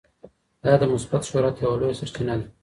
دا د مثبت شهرت یوه لویه سرچینه ده.